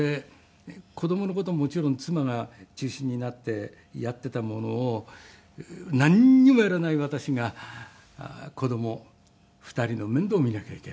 子供の事はもちろん妻が中心になってやっていたものをなんにもやらない私が子供２人の面倒を見なきゃいけないという。